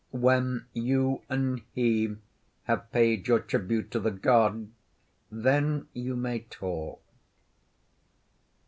When you and he have paid your tribute to the god, then you may talk.